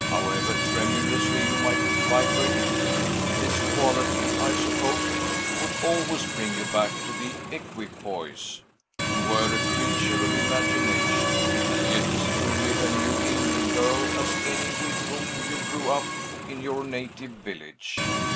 However tremulously you might vibrate, this quality, I supposed, would always bring you back to the equipoise. You were a creature of imagination, and yet as truly a New England girl as any with whom you grew up in your native village.